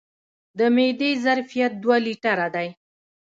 د معدې ظرفیت دوه لیټره دی.